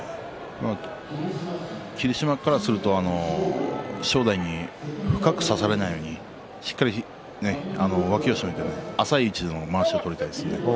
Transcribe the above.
霧島からすると正代に深く差されないように、しっかり脇を締めて浅い位置でまわしを取りたいですね。